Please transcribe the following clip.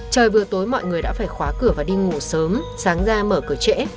trời bữa tối mọi người đã phải khóa cửa và đi ngủ sớm sáng ra mở cửa trễ